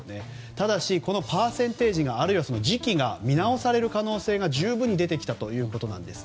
ただ、このパーセンテージや時期が見直される可能性が十分に出てきたということです。